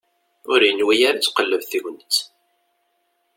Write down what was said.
Ur yenwi ara ad tqelleb tegnit.